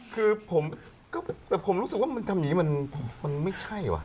คือผมแต่ผมรู้สึกว่ามันทำอย่างนี้มันไม่ใช่ว่ะ